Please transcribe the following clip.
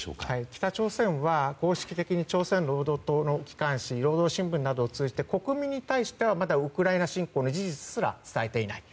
北朝鮮は公式的に朝鮮労働党の機関紙労働新聞などを通じて国民に対してはウクライナ侵攻の事実すら伝えていない。